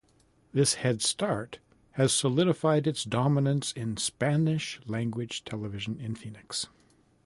This head start has solidified its dominance in Spanish-language television in Phoenix.